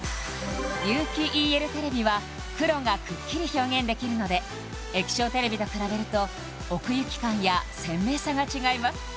有機ＥＬテレビは黒がくっきり表現できるので液晶テレビと比べると奥行き感や鮮明さが違います